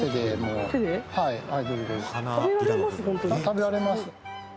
食べられます。